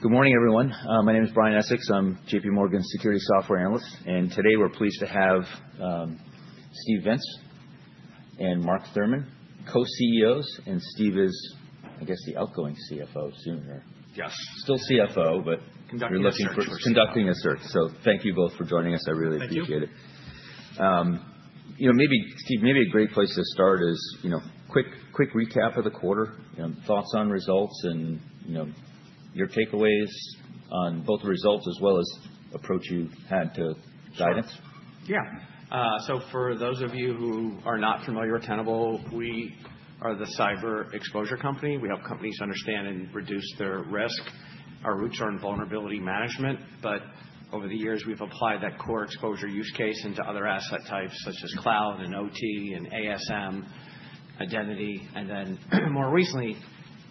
Good morning, everyone. My name is Brian Essex. I'm JPMorgan's Securities Software Analyst. Today we're pleased to have Steve Vintz and Mark Thurmond, co-CEOs. Steve is, I guess, the outgoing CFO, soon here. Yes. Still CFO, but. Conducting research. Conducting research. Thank you both for joining us. I really appreciate it. Thank you. Maybe, Steve, maybe a great place to start is a quick recap of the quarter, thoughts on results, and your takeaways on both the results as well as the approach you had to guidance. Yeah. For those of you who are not familiar with Tenable, we are the cyber exposure company. We help companies understand and reduce their risk. Our roots are in vulnerability management. Over the years, we've applied that core exposure use case into other asset types, such as cloud and OT and ASM identity. More recently,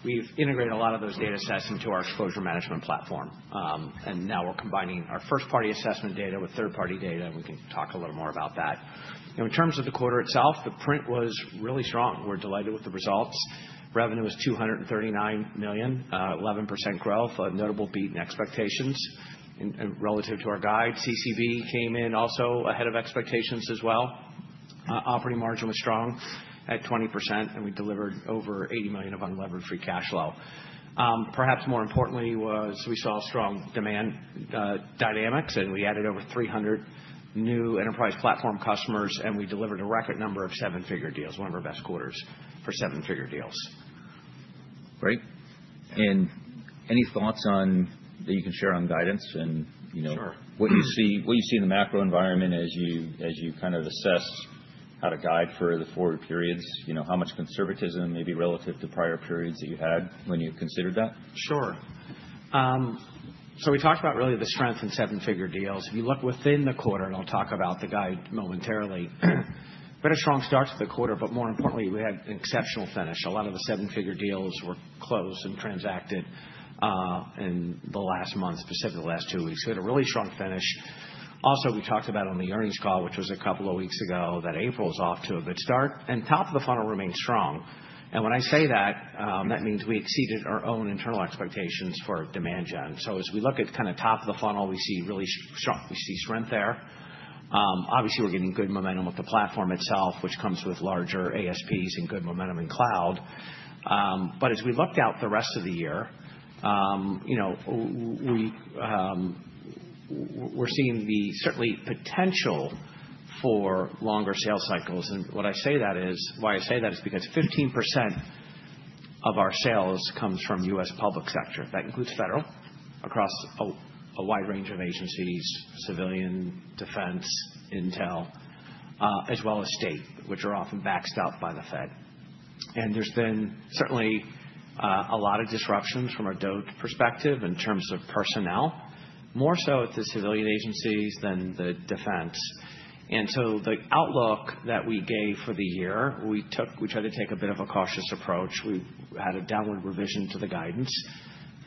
we've integrated a lot of those data sets into our exposure management platform. Now we're combining our first-party assessment data with third-party data. We can talk a little more about that. In terms of the quarter itself, the print was really strong. We're delighted with the results. Revenue was $239 million, 11% growth, a notable beat in expectations relative to our guide. C.C.V. came in also ahead of expectations as well. Operating margin was strong at 20%. We delivered over $80 million of unleveraged free cash flow. Perhaps more importantly, we saw strong demand dynamics. We added over 300 new enterprise platform customers. We delivered a record number of seven-figure deals, one of our best quarters for seven-figure deals. Great. Any thoughts that you can share on guidance and what you see in the macro environment as you kind of assess how to guide for the four periods? How much conservatism, maybe relative to prior periods that you had when you considered that? Sure. We talked about really the strength in seven-figure deals. If you look within the quarter, and I'll talk about the guide momentarily, we had a strong start to the quarter. More importantly, we had an exceptional finish. A lot of the seven-figure deals were closed and transacted in the last month, specifically the last two weeks. We had a really strong finish. Also, we talked about on the earnings call, which was a couple of weeks ago, that April was off to a good start. Top of the funnel remained strong. When I say that, that means we exceeded our own internal expectations for demand gen. As we look at kind of top of the funnel, we see strength there. Obviously, we're getting good momentum with the platform itself, which comes with larger ASPs and good momentum in cloud. As we looked out the rest of the year, we're seeing certainly potential for longer sales cycles. Why I say that is because 15% of our sales comes from U.S. public sector. That includes federal across a wide range of agencies, civilian, defense, intel, as well as state, which are often backed up by the Fed. There's been certainly a lot of disruptions from a DOD perspective in terms of personnel, more so at the civilian agencies than the defense. The outlook that we gave for the year, we tried to take a bit of a cautious approach. We had a downward revision to the guidance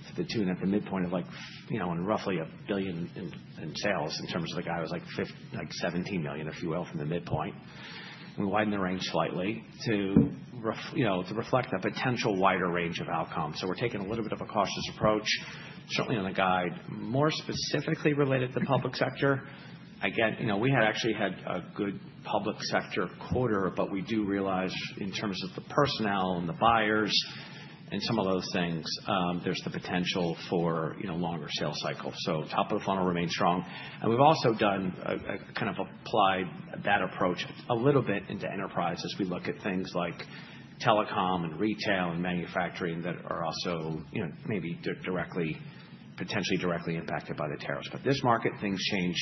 to the tune at the midpoint of roughly a billion in sales in terms of the guide, was like $17 million, if you will, from the midpoint. We widened the range slightly to reflect a potential wider range of outcomes. So we're taking a little bit of a cautious approach, certainly on the guide. More specifically related to the public sector, again, we had actually had a good public sector quarter. But we do realize in terms of the personnel and the buyers and some of those things, there's the potential for a longer sales cycle. So top of the funnel remained strong. And we've also kind of applied that approach a little bit into enterprise as we look at things like telecom and retail and manufacturing that are also maybe potentially directly impacted by the tariffs. But this market, things change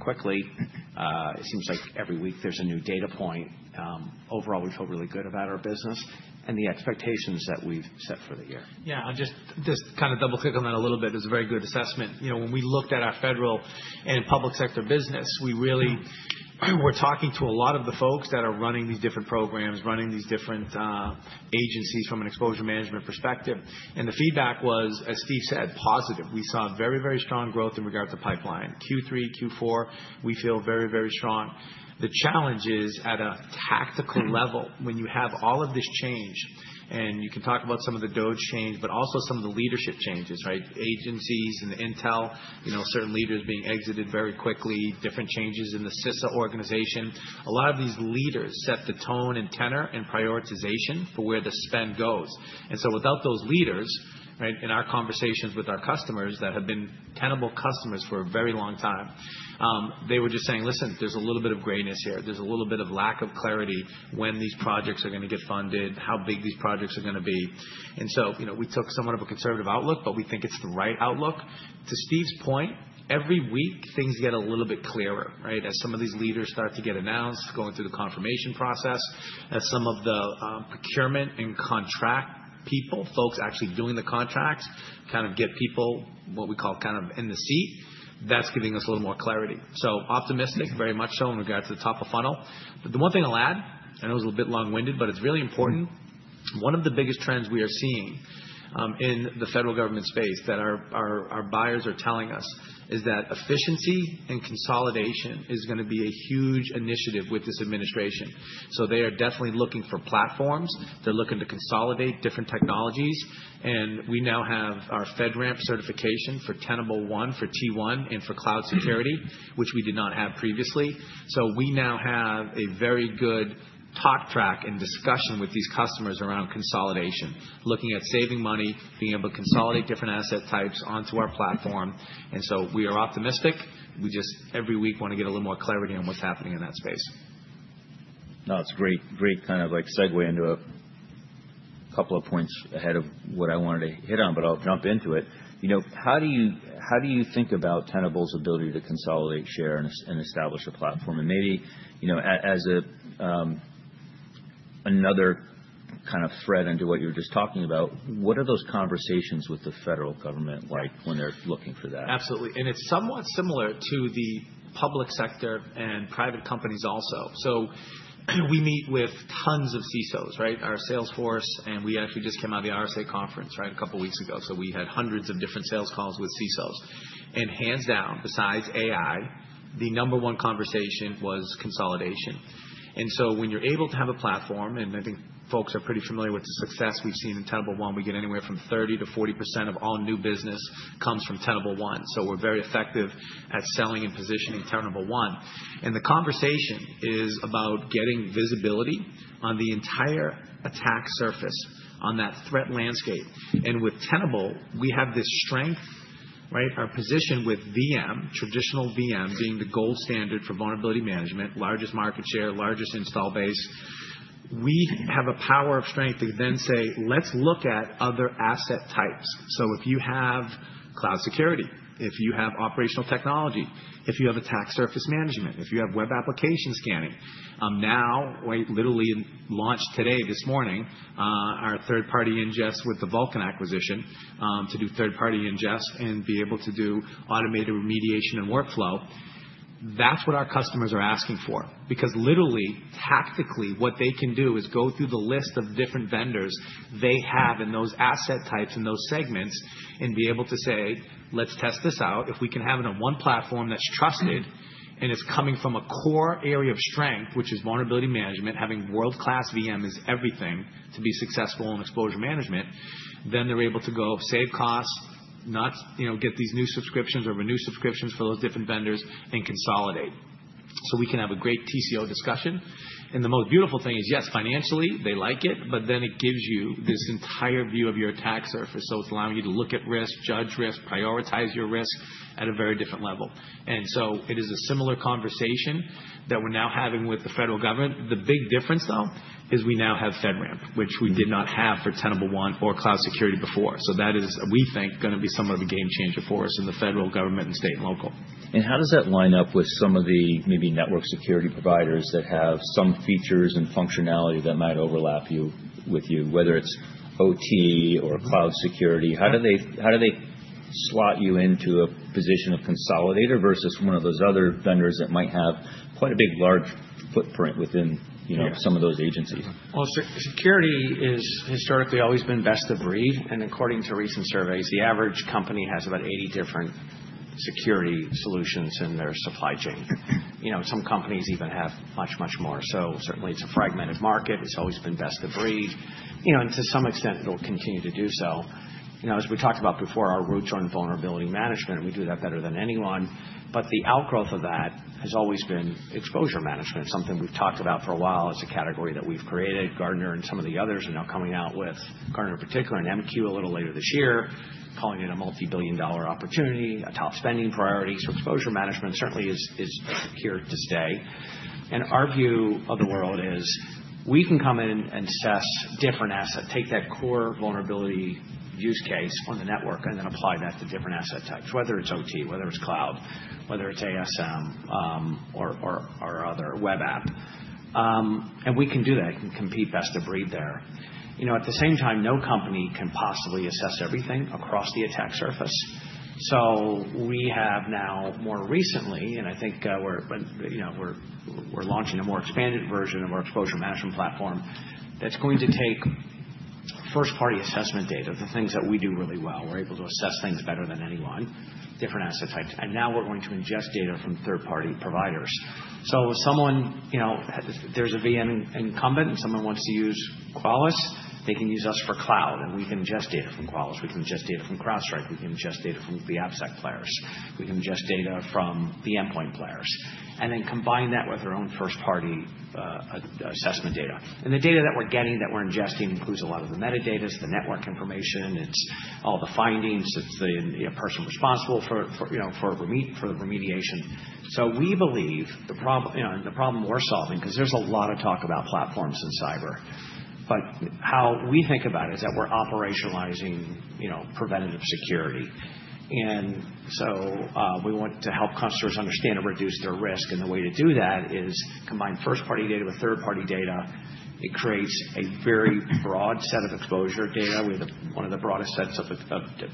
quickly. It seems like every week there's a new data point. Overall, we feel really good about our business and the expectations that we've set for the year. Yeah. I'll just kind of double-click on that a little bit. It was a very good assessment. When we looked at our federal and public sector business, we really were talking to a lot of the folks that are running these different programs, running these different agencies from an exposure management perspective. The feedback was, as Steve said, positive. We saw very, very strong growth in regard to pipeline. Q3, Q4, we feel very, very strong. The challenge is at a tactical level when you have all of this change. You can talk about some of the DOD change, but also some of the leadership changes, right? Agencies and intel, certain leaders being exited very quickly, different changes in the CISA organization. A lot of these leaders set the tone and tenor and prioritization for where the spend goes. Without those leaders, in our conversations with our customers that have been Tenable customers for a very long time, they were just saying, "Listen, there's a little bit of grayness here. There's a little bit of lack of clarity when these projects are going to get funded, how big these projects are going to be." We took somewhat of a conservative outlook, but we think it's the right outlook. To Steve's point, every week things get a little bit clearer, right? As some of these leaders start to get announced, going through the confirmation process, as some of the procurement and contract people, folks actually doing the contracts, kind of get people, what we call, kind of in the seat, that's giving us a little more clarity. Optimistic, very much so in regards to the top of funnel. The one thing I'll add, I know it was a little bit long-winded, but it's really important. One of the biggest trends we are seeing in the federal government space that our buyers are telling us is that efficiency and consolidation is going to be a huge initiative with this administration. They are definitely looking for platforms. They're looking to consolidate different technologies. We now have our FedRAMP certification for Tenable One, for T1, and for cloud security, which we did not have previously. We now have a very good talk track and discussion with these customers around consolidation, looking at saving money, being able to consolidate different asset types onto our platform. We are optimistic. We just, every week, want to get a little more clarity on what's happening in that space. No, that's a great kind of segue into a couple of points ahead of what I wanted to hit on. I'll jump into it. How do you think about Tenable's ability to consolidate share and establish a platform? Maybe as another kind of thread into what you were just talking about, what are those conversations with the federal government like when they're looking for that? Absolutely. It is somewhat similar to the public sector and private companies also. We meet with tons of CISOs, right? Our sales force, and we actually just came out of the RSA conference, right, a couple of weeks ago. We had hundreds of different sales calls with CISOs. Hands down, besides AI, the number one conversation was consolidation. When you are able to have a platform, and I think folks are pretty familiar with the success we have seen in Tenable One, we get anywhere from 30%-40% of all new business comes from Tenable One. We are very effective at selling and positioning Tenable One. The conversation is about getting visibility on the entire attack surface on that threat landscape. With Tenable, we have this strength, right? Our position with VM, traditional VM, being the gold standard for vulnerability management, largest market share, largest install base. We have a power of strength to then say, "Let's look at other asset types." If you have cloud security, if you have operational technology, if you have attack surface management, if you have web application scanning, now, literally launched today, this morning, our third-party ingest with the Vulcan acquisition to do third-party ingest and be able to do automated remediation and workflow, that's what our customers are asking for. Because literally, tactically, what they can do is go through the list of different vendors they have in those asset types and those segments and be able to say, "Let's test this out. If we can have it on one platform that's trusted and it's coming from a core area of strength, which is vulnerability management, having world-class VM is everything to be successful in exposure management," then they're able to go save cost, get these new subscriptions or renew subscriptions for those different vendors and consolidate. We can have a great T.C.O. discussion. The most beautiful thing is, yes, financially, they like it. It gives you this entire view of your attack surface. It's allowing you to look at risk, judge risk, prioritize your risk at a very different level. It is a similar conversation that we're now having with the federal government. The big difference, though, is we now have FedRAMP, which we did not have for Tenable One or cloud security before. That is, we think, going to be somewhat of a game changer for us in the federal government and state and local. How does that line up with some of the maybe network security providers that have some features and functionality that might overlap with you, whether it's O.T. or cloud security? How do they slot you into a position of consolidator versus one of those other vendors that might have quite a big large footprint within some of those agencies? Security has historically always been best of breed. According to recent surveys, the average company has about 80 different security solutions in their supply chain. Some companies even have much, much more. Certainly, it is a fragmented market. It has always been best of breed. To some extent, it will continue to do so. As we talked about before, our roots are in vulnerability management. We do that better than anyone. The outgrowth of that has always been exposure management, something we have talked about for a while as a category that we have created. Gartner and some of the others are now coming out with, Gartner in particular, an M.Q. a little later this year, calling it a multi-billion dollar opportunity, a top spending priority. Exposure management certainly is here to stay. Our view of the world is we can come in and assess different assets, take that core vulnerability use case on the network, and then apply that to different asset types, whether it is O.T., whether it is cloud, whether it is A.S.M., or other web app. We can do that and compete best of breed there. At the same time, no company can possibly assess everything across the attack surface. We have now, more recently, and I think we are launching a more expanded version of our exposure management platform that is going to take first-party assessment data, the things that we do really well. We are able to assess things better than anyone, different asset types. Now we are going to ingest data from third-party providers. If there is a V.M. incumbent and someone wants to use Qualys, they can use us for cloud. We can ingest data from Qualys. We can ingest data from CrowdStrike. We can ingest data from the AppSec players. We can ingest data from the endpoint players. We combine that with our own first-party assessment data. The data that we're getting, that we're ingesting, includes a lot of the metadata, the network information. It's all the findings. It's the person responsible for the remediation. We believe the problem we're solving, because there's a lot of talk about platforms and cyber, but how we think about it is that we're operationalizing preventative security. We want to help customers understand and reduce their risk. The way to do that is combine first-party data with third-party data. It creates a very broad set of exposure data. We have one of the broadest sets of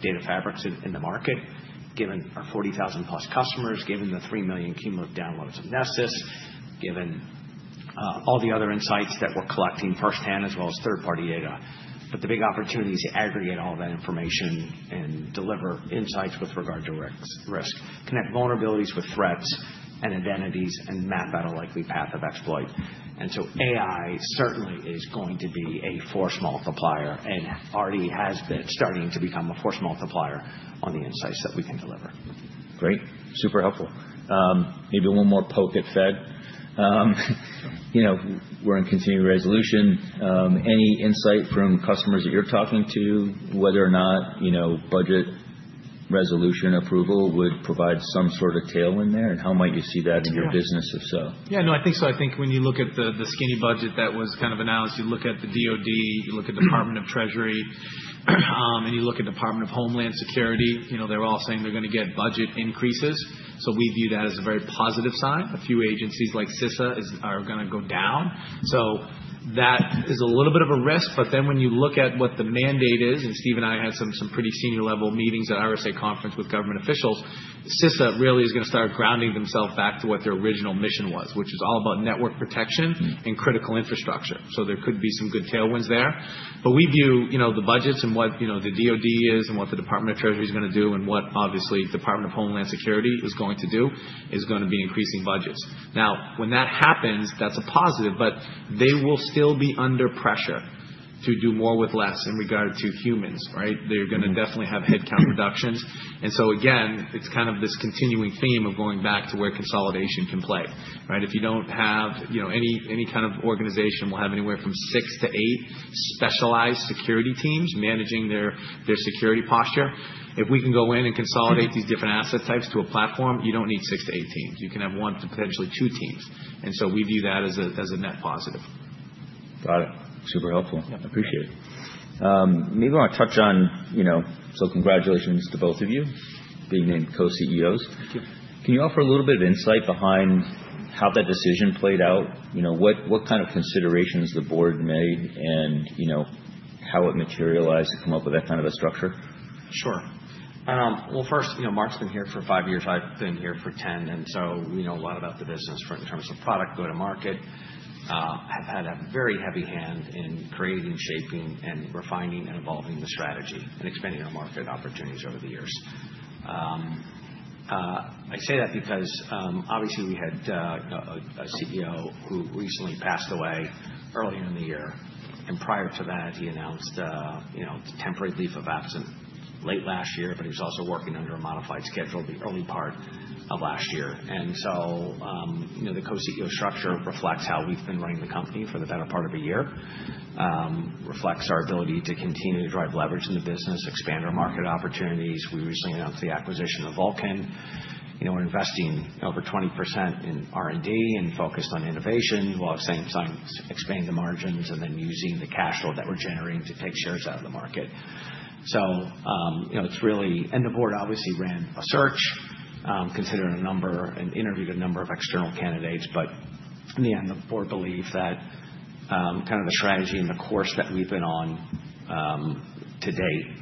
data fabrics in the market, given our 40,000-plus customers, given the three million cumulative downloads of Nessus, given all the other insights that we're collecting firsthand as well as third-party data. The big opportunity is to aggregate all that information and deliver insights with regard to risk, connect vulnerabilities with threats and identities, and map out a likely path of exploit. AI certainly is going to be a force multiplier and already has been starting to become a force multiplier on the insights that we can deliver. Great. Super helpful. Maybe one more poke at Fed. We're in continuing resolution. Any insight from customers that you're talking to whether or not budget resolution approval would provide some sort of tailwind there? How might you see that in your business, if so? Yeah. No, I think so. I think when you look at the skinny budget that was kind of announced, you look at the DOD, you look at Department of Treasury, and you look at Department of Homeland Security, they're all saying they're going to get budget increases. We view that as a very positive sign. A few agencies like CISA are going to go down. That is a little bit of a risk. When you look at what the mandate is, and Steve and I had some pretty senior-level meetings at RSA conference with government officials, CISA really is going to start grounding themselves back to what their original mission was, which is all about network protection and critical infrastructure. There could be some good tailwinds there. We view the budgets and what the DOD is and what the Department of Treasury is going to do and what, obviously, Department of Homeland Security is going to do is going to be increasing budgets. Now, when that happens, that's a positive. They will still be under pressure to do more with less in regard to humans, right? They're going to definitely have headcount reductions. Again, it's kind of this continuing theme of going back to where consolidation can play, right? If you don't have any kind of organization will have anywhere from six to eight specialized security teams managing their security posture. If we can go in and consolidate these different asset types to a platform, you don't need six to eight teams. You can have one to potentially two teams. We view that as a net positive. Got it. Super helpful. I appreciate it. Maybe I want to touch on, so congratulations to both of you being named co-CEOs. Can you offer a little bit of insight behind how that decision played out? What kind of considerations the board made and how it materialized to come up with that kind of a structure? Sure. First, Mark's been here for five years. I've been here for 10. We know a lot about the business in terms of product, go-to-market. I've had a very heavy hand in creating, shaping, refining, and evolving the strategy and expanding our market opportunities over the years. I say that because, obviously, we had a CEO who recently passed away earlier in the year. Prior to that, he announced a temporary leave of absence late last year. He was also working under a modified schedule the early part of last year. The co-CEO structure reflects how we've been running the company for the better part of a year, reflects our ability to continue to drive leverage in the business, expand our market opportunities. We recently announced the acquisition of Vulcan. We're investing over 20% in R&D and focused on innovation while expanding the margins and then using the cash flow that we're generating to take shares out of the market. It is really, and the board obviously ran a search, considered a number, and interviewed a number of external candidates. In the end, the board believed that kind of the strategy and the course that we've been on to date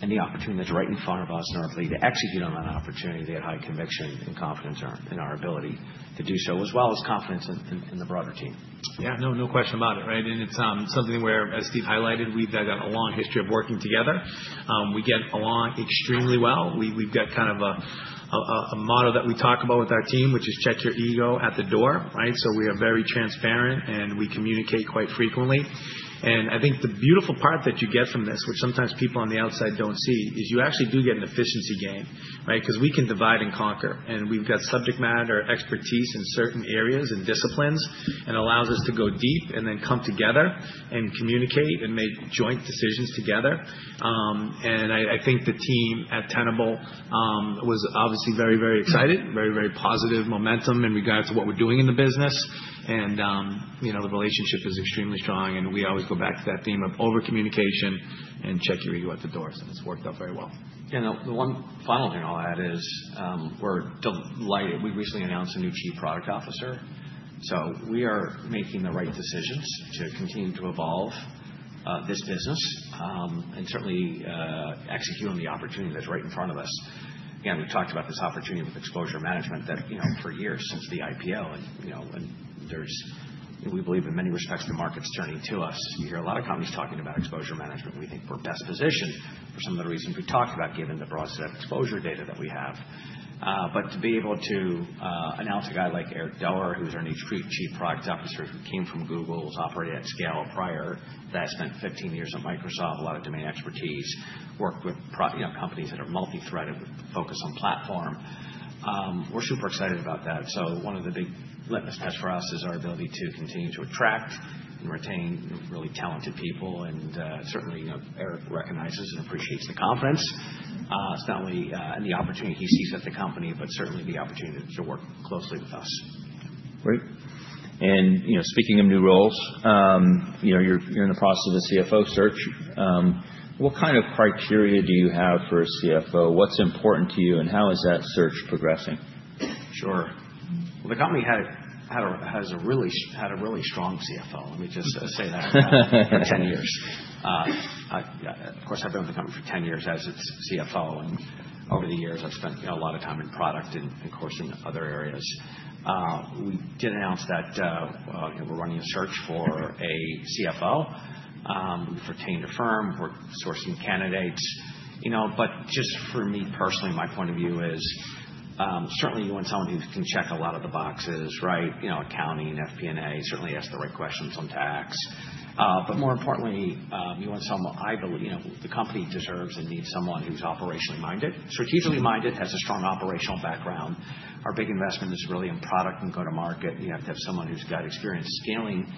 and the opportunity that's right in front of us in order to execute on that opportunity, they had high conviction and confidence in our ability to do so, as well as confidence in the broader team. Yeah. No, no question about it, right? It is something where, as Steve highlighted, we have got a long history of working together. We get along extremely well. We have got kind of a motto that we talk about with our team, which is, "Check your ego at the door," right? We are very transparent, and we communicate quite frequently. I think the beautiful part that you get from this, which sometimes people on the outside do not see, is you actually do get an efficiency gain, right? We can divide and conquer. We have got subject matter expertise in certain areas and disciplines and it allows us to go deep and then come together and communicate and make joint decisions together. I think the team at Tenable was obviously very, very excited, very, very positive momentum in regard to what we are doing in the business. The relationship is extremely strong. We always go back to that theme of over-communication and check your ego at the doors. It has worked out very well. The one final thing I'll add is we're delighted. We recently announced a new Chief Product Officer. We are making the right decisions to continue to evolve this business and certainly execute on the opportunity that's right in front of us. Again, we've talked about this opportunity with exposure management for years since the I.P.O.. We believe, in many respects, the market's turning to us. You hear a lot of companies talking about exposure management. We think we're best positioned for some of the reasons we talked about, given the broad set of exposure data that we have. To be able to announce a guy like Eric Doerr, who's our new Chief Product Officer, who came from Google, who's operated at scale prior, that has spent 15 years at Microsoft, a lot of domain expertise, worked with companies that are multi-threaded with focus on platform, we're super excited about that. One of the big litmus tests for us is our ability to continue to attract and retain really talented people. Certainly, Eric recognizes and appreciates the confidence and the opportunity he sees at the company, but certainly the opportunity to work closely with us. Great. Speaking of new roles, you're in the process of a CFO search. What kind of criteria do you have for a CFO? What's important to you? How is that search progressing? Sure. The company has a really strong CFO. Let me just say that for 10 years. Of course, I've been with the company for 10 years as its CFO. Over the years, I've spent a lot of time in product and, of course, in other areas. We did announce that we're running a search for a CFO. We've retained a firm. We're sourcing candidates. Just for me personally, my point of view is certainly you want someone who can check a lot of the boxes, right? Accounting, FP&A, certainly ask the right questions on tax. More importantly, you want someone I believe the company deserves and needs, someone who's operationally minded, strategically minded, has a strong operational background. Our big investment is really in product and go-to-market. You have to have someone who's got experience scaling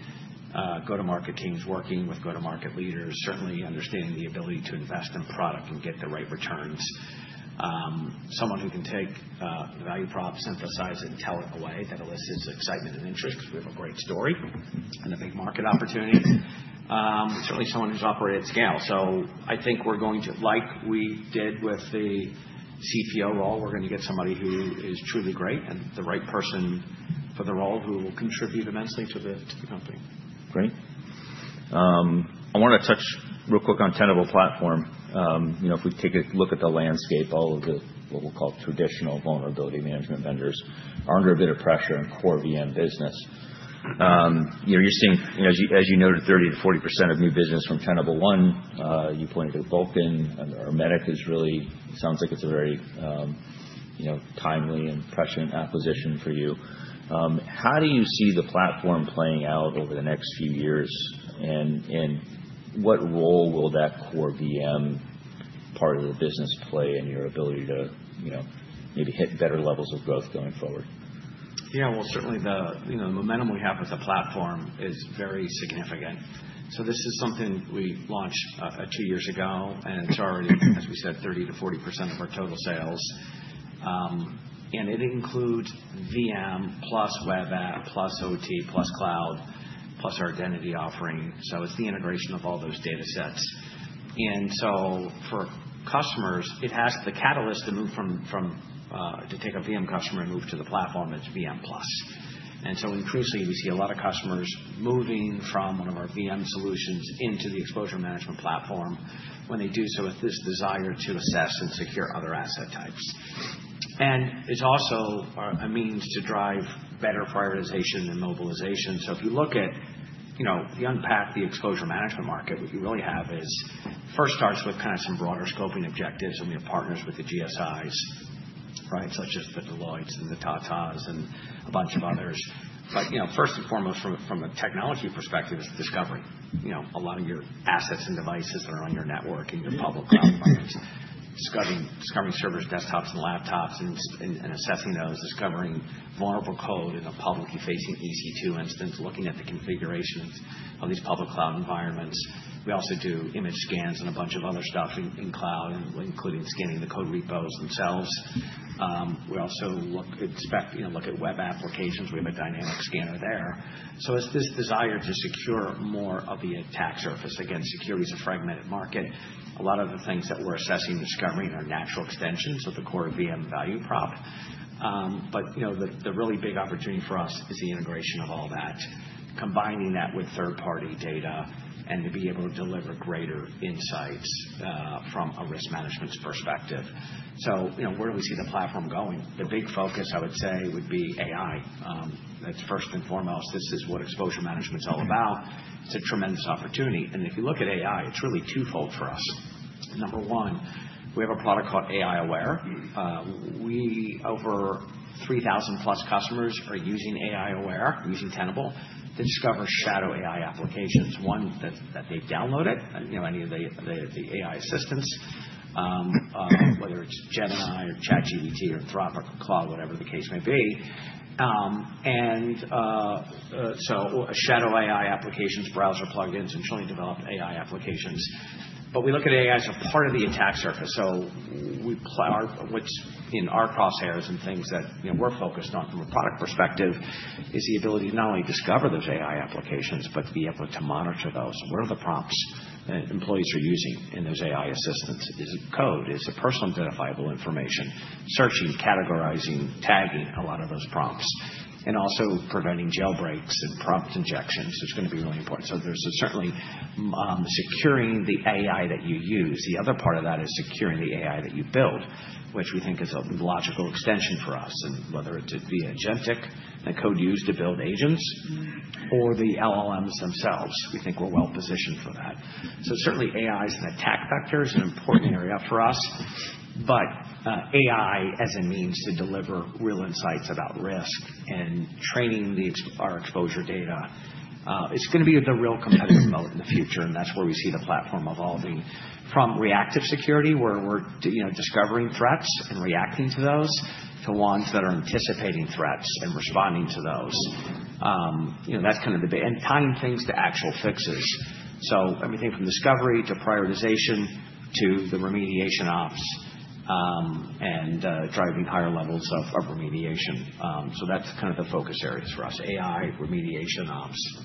go-to-market teams, working with go-to-market leaders, certainly understanding the ability to invest in product and get the right returns. Someone who can take value props, synthesize, and tell it in a way that elicits excitement and interest because we have a great story and a big market opportunity. Certainly, someone who's operated at scale. I think we're going to, like we did with the CPO role, get somebody who is truly great and the right person for the role who will contribute immensely to the company. Great. I want to touch real quick on Tenable Platform. If we take a look at the landscape, all of the what we'll call traditional vulnerability management vendors are under a bit of pressure in core VM business. You're seeing, as you noted, 30-40% of new business from Tenable One. You pointed to Vulcan. And Arimatic is really, it sounds like it's a very timely and prescient acquisition for you. How do you see the platform playing out over the next few years? And what role will that core V.M. part of the business play in your ability to maybe hit better levels of growth going forward? Yeah. Certainly, the momentum we have with the platform is very significant. This is something we launched two years ago. It's already, as we said, 30%-40% of our total sales. It includes V.M. plus web app plus O.T. plus cloud plus our identity offering. It's the integration of all those data sets. For customers, it has the catalyst to move from, to take a VM customer and move to the platform that's V.M. plus. Increasingly, we see a lot of customers moving from one of our VM solutions into the exposure management platform when they do so with this desire to assess and secure other asset types. It's also a means to drive better prioritization and mobilization. If you look at if you unpack the exposure management market, what you really have is first starts with kind of some broader scoping objectives. We have partners with the GSIs, right, such as the Deloittes and the Tatas and a bunch of others. First and foremost, from a technology perspective, it's discovering a lot of your assets and devices that are on your network and your public cloud environments, discovering servers, desktops, and laptops, and assessing those, discovering vulnerable code in a publicly facing EC2 instance, looking at the configuration of these public cloud environments. We also do image scans and a bunch of other stuff in cloud, including scanning the code repos themselves. We also look at web applications. We have a dynamic scanner there. It is this desire to secure more of the attack surface against security as a fragmented market. A lot of the things that we're assessing and discovering are natural extensions of the core VM value prop. The really big opportunity for us is the integration of all that, combining that with third-party data and to be able to deliver greater insights from a risk management perspective. Where do we see the platform going? The big focus, I would say, would be AI. That's first and foremost. This is what exposure management's all about. It's a tremendous opportunity. If you look at AI, it's really twofold for us. Number one, we have a product called AI Aware. We, over 3,000-plus customers, are using AI Aware, using Tenable to discover shadow AI applications, one that they've downloaded, any of the AI assistants, whether it's Gemini or ChatGPT or Anthropic or Claude, whatever the case may be. Shadow AI applications, browser plug-ins, and truly developed AI applications. We look at AI as a part of the attack surface. What is in our crosshairs and things that we are focused on from a product perspective is the ability to not only discover those AI applications but be able to monitor those. What are the prompts that employees are using in those AI assistants? Is it code? Is it personal identifiable information? Searching, categorizing, tagging a lot of those prompts, and also preventing jailbreaks and prompt injections is going to be really important. There is certainly securing the AI that you use. The other part of that is securing the AI that you build, which we think is a logical extension for us. Whether it is via Gentic, the code used to build agents, or the LLMs themselves, we think we are well-positioned for that. Certainly, AI as an attack vector is an important area for us. AI as a means to deliver real insights about risk and training our exposure data, it's going to be the real competitive moat in the future. That is where we see the platform evolving from reactive security, where we're discovering threats and reacting to those, to ones that are anticipating threats and responding to those. That is kind of the big and tying things to actual fixes. Everything from discovery to prioritization to the remediation ops and driving higher levels of remediation. That is kind of the focus areas for us: AI, remediation ops,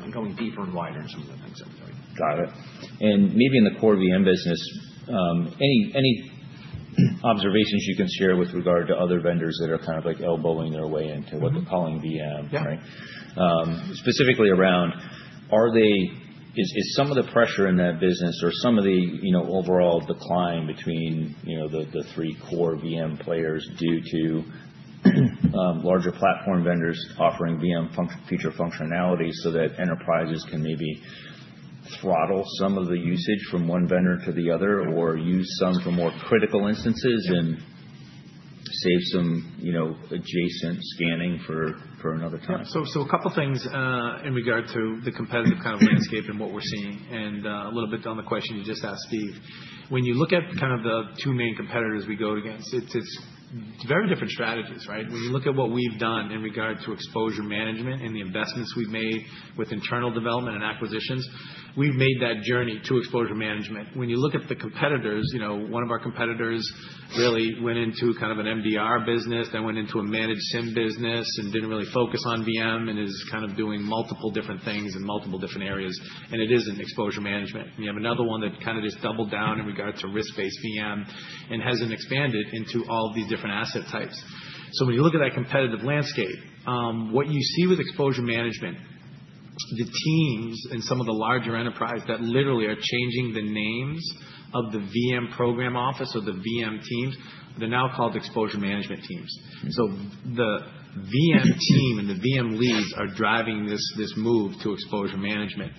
and going deeper and wider in some of the things that we're doing. Got it. Maybe in the core VM business, any observations you can share with regard to other vendors that are kind of like elbowing their way into what they're calling V.M., right? Yeah. Specifically around, is some of the pressure in that business or some of the overall decline between the three core V.M. players due to larger platform vendors offering V.M.. feature functionality so that enterprises can maybe throttle some of the usage from one vendor to the other or use some for more critical instances and save some adjacent scanning for another time? A couple of things in regard to the competitive kind of landscape and what we're seeing. A little bit on the question you just asked, Steve. When you look at kind of the two main competitors we go against, it's very different strategies, right? When you look at what we've done in regard to exposure management and the investments we've made with internal development and acquisitions, we've made that journey to exposure management. When you look at the competitors, one of our competitors really went into kind of an M.D.R. business, then went into a managed SIM business, and didn't really focus on VM and is kind of doing multiple different things in multiple different areas. It is in exposure management. We have another one that kind of just doubled down in regard to risk-based V.M. and hasn't expanded into all of these different asset types. When you look at that competitive landscape, what you see with exposure management, the teams and some of the larger enterprise that literally are changing the names of the V.M. program office or the VM teams, they're now called exposure management teams. The V.M. team and the V.M. leads are driving this move to exposure management.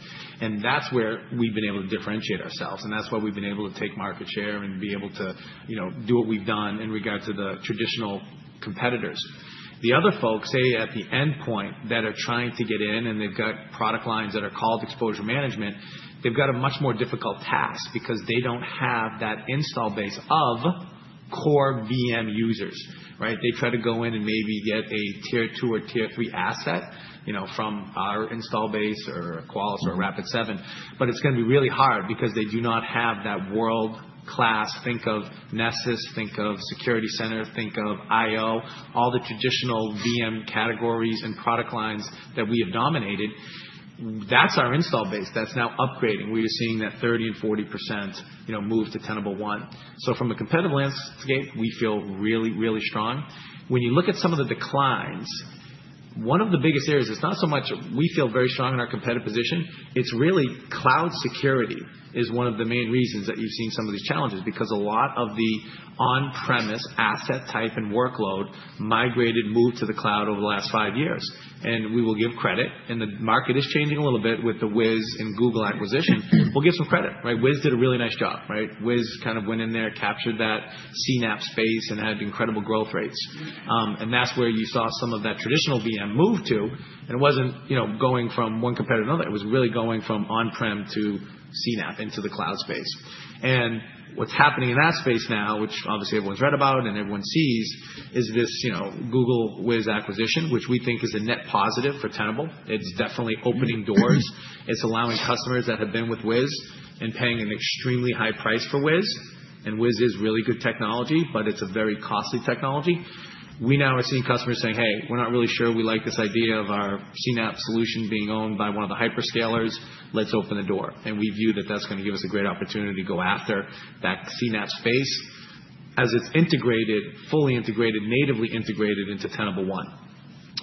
That's where we've been able to differentiate ourselves. That's why we've been able to take market share and be able to do what we've done in regard to the traditional competitors. The other folks, say, at the endpoint that are trying to get in and they've got product lines that are called exposure management, they've got a much more difficult task because they don't have that install base of core V.M. users, right? They try to go in and maybe get a tier two or tier three asset from our install base or a Qualys or a Rapid7. It is going to be really hard because they do not have that world class. Think of Nessus. Think of Security Center. Think of I/O, all the traditional V.M. categories and product lines that we have dominated. That is our install base that is now upgrading. We are seeing that 30% and 40% move to Tenable One. From a competitive landscape, we feel really, really strong. When you look at some of the declines, one of the biggest areas is not so much we feel very strong in our competitive position. It's really cloud security is one of the main reasons that you've seen some of these challenges because a lot of the on-premise asset type and workload migrated, moved to the cloud over the last five years. We will give credit. The market is changing a little bit with the Wiz and Google acquisition. We'll give some credit, right? Wiz did a really nice job, right? Wiz kind of went in there, captured that CNAPP space, and had incredible growth rates. That's where you saw some of that traditional VM move to. It wasn't going from one competitor to another. It was really going from on-prem to CNAPP into the cloud space. What's happening in that space now, which obviously everyone's read about and everyone sees, is this Google Wiz acquisition, which we think is a net positive for Tenable. It's definitely opening doors. It's allowing customers that have been with Wiz and paying an extremely high price for Wiz. And Wiz is really good technology, but it's a very costly technology. We now are seeing customers saying, "Hey, we're not really sure we like this idea of our CNAPP solution being owned by one of the hyperscalers. Let's open the door." We view that that's going to give us a great opportunity to go after that CNAPP space as it's integrated, fully integrated, natively integrated into Tenable One,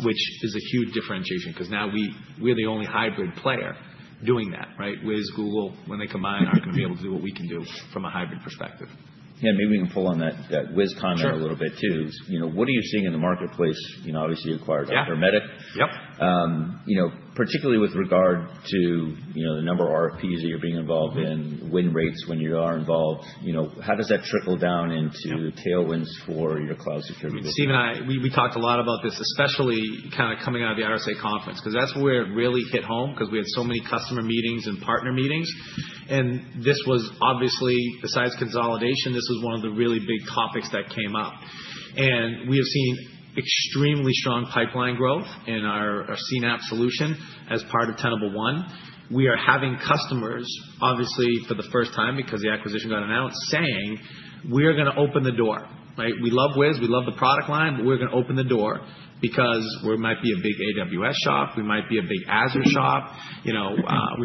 which is a huge differentiation because now we're the only hybrid player doing that, right? Wiz, Google, when they combine, aren't going to be able to do what we can do from a hybrid perspective. Yeah. Maybe we can pull on that Wiz comment a little bit too. What are you seeing in the marketplace? Obviously, you acquired Arimatic, particularly with regard to the number of RFPs that you're being involved in, win rates when you are involved. How does that trickle down into the tailwinds for your cloud security business? Stephen and I, we talked a lot about this, especially kind of coming out of the RSA conference because that's where it really hit home because we had so many customer meetings and partner meetings. This was obviously, besides consolidation, one of the really big topics that came up. We have seen extremely strong pipeline growth in our CNAPP solution as part of Tenable One. We are having customers, obviously, for the first time because the acquisition got announced, saying, "We are going to open the door," right? We love Wiz. We love the product line. We are going to open the door because we might be a big AWS shop. We might be a big Azure shop. We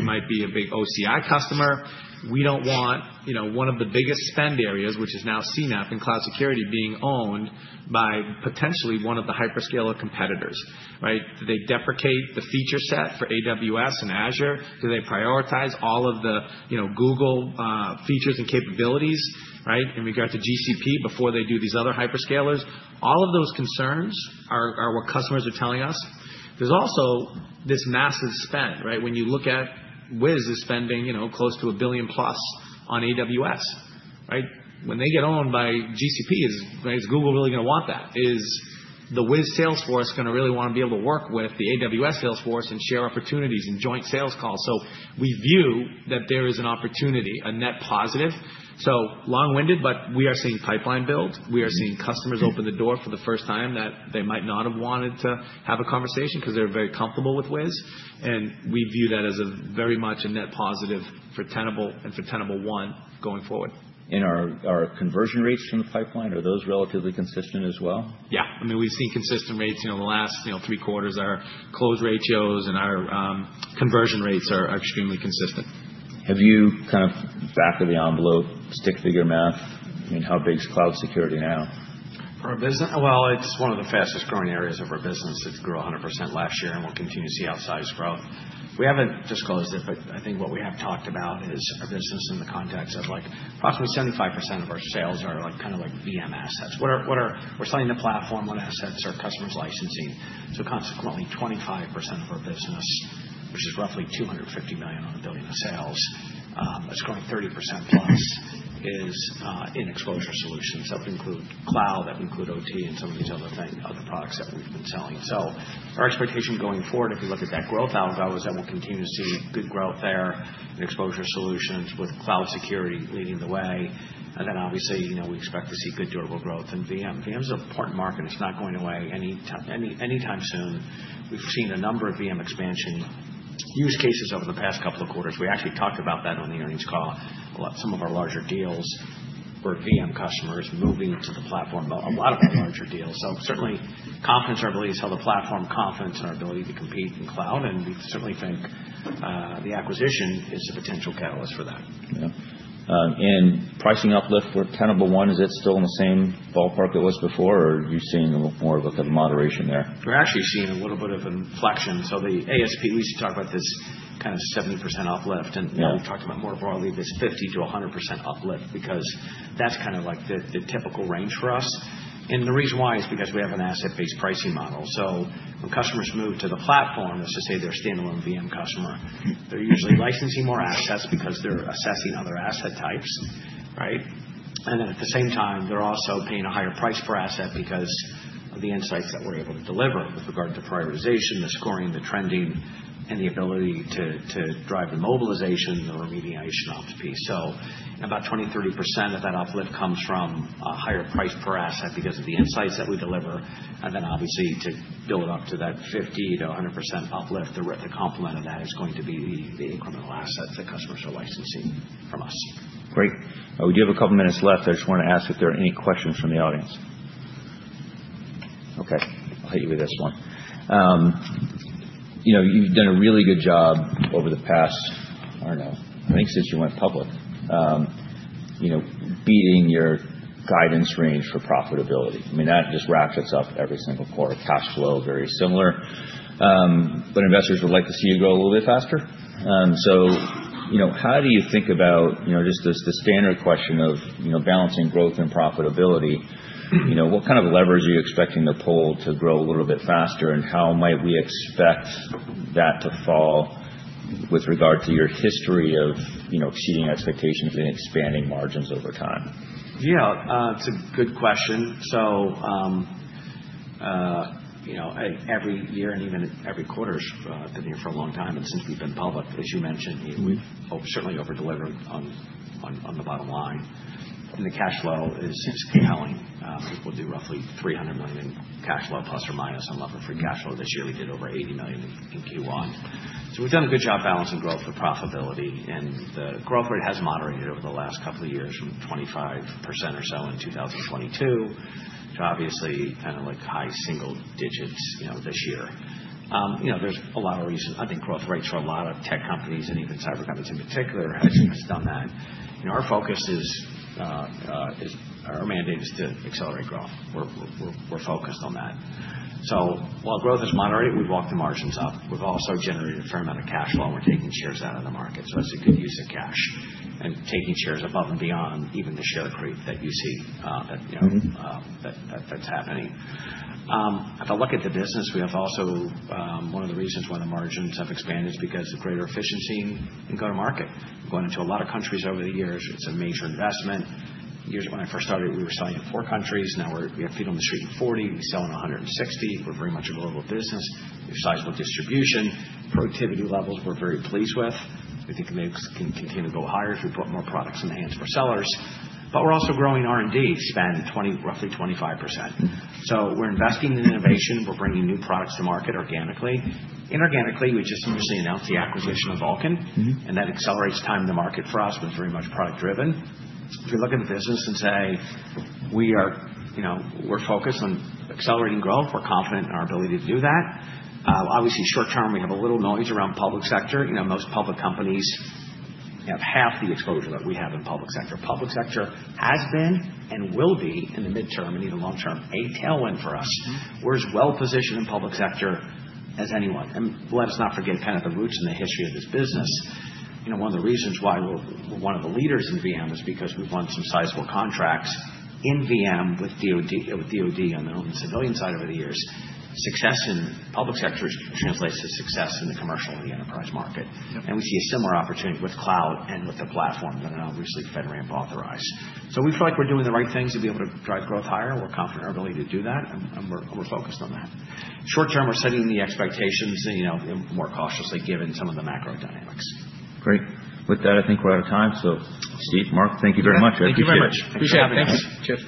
might be a big OCI customer. We do not want one of the biggest spend areas, which is now CNAPP and cloud security, being owned by potentially one of the hyperscaler competitors, right? Do they deprecate the feature set for AWS and Azure? Do they prioritize all of the Google features and capabilities, right, in regard to GCP before they do these other hyperscalers? All of those concerns are what customers are telling us. There is also this massive spend, right? When you look at Wiz, it is spending close to $1 billion plus on AWS, right? When they get owned by GCPs, is Google really going to want that? Is the Wiz Salesforce going to really want to be able to work with the AWS Salesforce and share opportunities and joint sales calls? We view that there is an opportunity, a net positive. Long-winded, but we are seeing pipeline build. We are seeing customers open the door for the first time that they might not have wanted to have a conversation because they're very comfortable with Wiz. We view that as very much a net positive for Tenable and for Tenable One going forward. Are our conversion rates from the pipeline, are those relatively consistent as well? Yeah. I mean, we've seen consistent rates in the last three quarters. Our close ratios and our conversion rates are extremely consistent. Have you kind of back of the envelope, stick figure math, I mean, how big is cloud security now? For our business, it's one of the fastest growing areas of our business. It grew 100% last year, and we will continue to see outsized growth. We haven't disclosed it, but I think what we have talked about is our business in the context of approximately 75% of our sales are kind of like VM assets. We're selling the platform, what assets our customers are licensing. Consequently, 25% of our business, which is roughly $250 million on a billion of sales, that's growing 30% plus, is in exposure solutions. That would include cloud. That would include O.T. and some of these other products that we've been selling. Our expectation going forward, if you look at that growth algo, is that we will continue to see good growth there in exposure solutions with cloud security leading the way. Obviously, we expect to see good durable growth in V.M.. VM is an important market. It's not going away anytime soon. We've seen a number of V.M. expansion use cases over the past couple of quarters. We actually talked about that on the earnings call. Some of our larger deals were VM customers moving to the platform, a lot of our larger deals. Certainly, confidence in our ability to sell the platform, confidence in our ability to compete in cloud. We certainly think the acquisition is a potential catalyst for that. Yeah. Pricing uplift with Tenable One, is it still in the same ballpark it was before, or are you seeing more of a kind of moderation there? We're actually seeing a little bit of an inflection. The A.S.P., we used to talk about this kind of 70% uplift. Now we've talked about more broadly this 50-100% uplift because that's kind of like the typical range for us. The reason why is because we have an asset-based pricing model. When customers move to the platform, let's just say they're a standalone V.M. customer, they're usually licensing more assets because they're assessing other asset types, right? At the same time, they're also paying a higher price per asset because of the insights that we're able to deliver with regard to prioritization, the scoring, the trending, and the ability to drive the mobilization, the remediation ops piece. About 20-30% of that uplift comes from a higher price per asset because of the insights that we deliver. Obviously, to build up to that 50-100% uplift, the complement of that is going to be the incremental assets that customers are licensing from us. Great. We do have a couple of minutes left. I just want to ask if there are any questions from the audience. Okay. I'll hit you with this one. You've done a really good job over the past, I don't know, I think since you went public, beating your guidance range for profitability. I mean, that just ratchets up every single quarter. Cash flow, very similar. Investors would like to see you grow a little bit faster. How do you think about just the standard question of balancing growth and profitability? What kind of levers are you expecting to pull to grow a little bit faster, and how might we expect that to fall with regard to your history of exceeding expectations and expanding margins over time? Yeah. It's a good question. Every year and even every quarter, it's been here for a long time. Since we've been public, as you mentioned, we've certainly over-delivered on the bottom line. The cash flow is compelling. People do roughly $300 million in cash flow, plus or minus, on level-free cash flow. This year, we did over $80 million in Q1. We've done a good job balancing growth for profitability. The growth rate has moderated over the last couple of years from 25% or so in 2022 to obviously kind of like high single digits this year. There are a lot of reasons. I think growth rates for a lot of tech companies and even cyber companies in particular have done that. Our focus is our mandate is to accelerate growth. We're focused on that. While growth has moderated, we've walked the margins up. We've also generated a fair amount of cash flow. We're taking shares out of the market. That's a good use of cash and taking shares above and beyond even the share creep that you see that's happening. If I look at the business, we have also one of the reasons why the margins have expanded is because of greater efficiency and go-to-market. We've gone into a lot of countries over the years. It's a major investment. When I first started, we were selling in four countries. Now we have feet on the street in 40. We sell in 160. We're very much a global business. We have sizable distribution. Productivity levels we're very pleased with. We think we can continue to go higher if we put more products in the hands of our sellers. We're also growing R&D spend, roughly 25%. We're investing in innovation. We're bringing new products to market organically. Inorganically, we just recently announced the acquisition of Vulcan, and that accelerates time in the market for us. We're very much product-driven. If you look at the business and say, "We're focused on accelerating growth. We're confident in our ability to do that." Obviously, short term, we have a little noise around public sector. Most public companies have half the exposure that we have in public sector. Public sector has been and will be in the midterm and even long term a tailwind for us. We're as well positioned in public sector as anyone. Let us not forget kind of the roots and the history of this business. One of the reasons why we're one of the leaders in V.M. is because we've won some sizable contracts in V.M. with D.O.D. on the civilian side over the years. Success in public sector translates to success in the commercial and the enterprise market. We see a similar opportunity with cloud and with the platform that are now recently FedRAMP authorized. We feel like we're doing the right things to be able to drive growth higher. We're confident in our ability to do that, and we're focused on that. Short term, we're setting the expectations more cautiously given some of the macro dynamics. Great. With that, I think we're out of time. So Steve, Mark, thank you very much. Thank you very much. Appreciate it. Thanks.